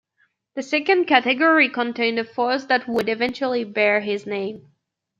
The second category contained the force that would eventually bear his name.